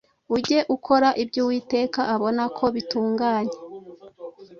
Ujye ukora ibyo Uwiteka abona ko bitunganye